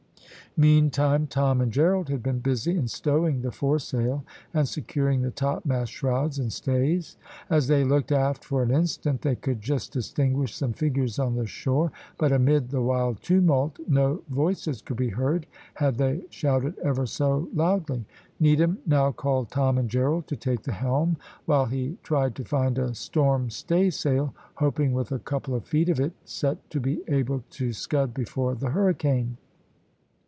Meantime, Tom and Gerald had been busy in stowing the fore sail and securing the topmast shrouds and stays. As they looked aft for an instant, they could just distinguish some figures on the shore; but amid the wild tumult, no voices could be heard had they shouted ever so loudly. Needham now called Tom and Gerald to take the helm while he tried to find a storm staysail, hoping with a couple of feet of it set to be able to scud before the hurricane.